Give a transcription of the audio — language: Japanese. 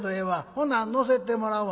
ほな乗せてもらうわ」。